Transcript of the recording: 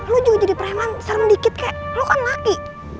lu juga jadi preman serem dikit kayak lo kan laki